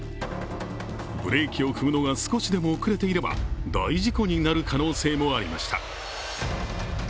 ブレーキを踏むのが少しでも遅れていれば大事故になる可能性もありました。